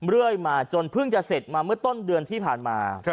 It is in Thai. เรื่อยมาจนเพิ่งจะเสร็จมาเมื่อต้นเดือนที่ผ่านมา